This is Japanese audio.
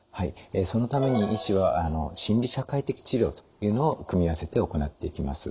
そのために医師は心理社会的治療というのを組み合わせて行っていきます。